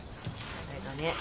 あれかね。